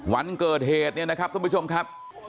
วันเกิดเหตุเนี่ยนะครับท่านผู้ชมครับ